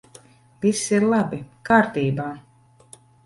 Viss ir labi! Kārtībā!